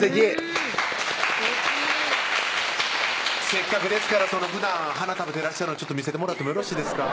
せっかくですからふだん鼻食べてらっしゃるの見せてもらってもよろしいですか？